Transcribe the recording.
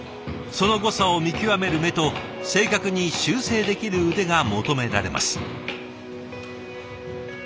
その誤差を見極める目と正確に修正できる腕が求められます。